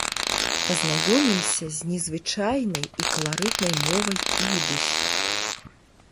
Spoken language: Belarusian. Пазнаёмімся з незвычайнай і каларытнай мовай ідыш.